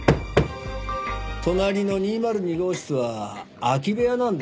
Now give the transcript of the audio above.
隣の２０２号室は空き部屋なんですよ。